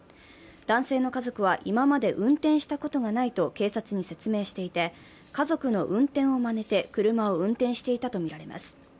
男性の家族は、今まで運転したことがないと警察に説明していて、家族の運転をまねて車を運転していたとみられています。